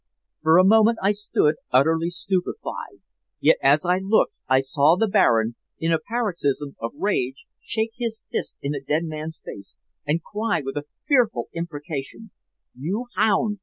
For a moment I stood utterly stupefied, yet as I looked I saw the Baron, in a paroxysm of rage, shake his fist in the dead man's face, and cry with a fearful imprecation: 'You hound!